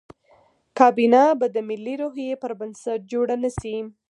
کابینه به د ملي روحیې پر بنسټ جوړه نه شي.